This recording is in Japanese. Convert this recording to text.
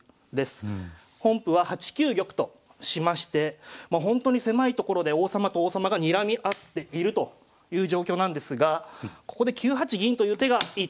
本譜は８九玉としましてほんとに狭い所で王様と王様がにらみ合っているという状況なんですがここで９八銀という手がいい手でしたね。